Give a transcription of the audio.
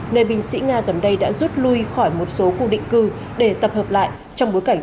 nơi binh sĩ nga gần đây đã rút lui khỏi một số khu định cư để tập hợp lại trong bối cảnh